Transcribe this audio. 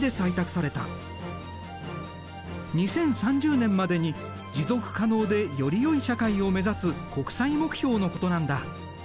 ２０３０年までに持続可能でより良い社会を目指す国際目標のことなんだ。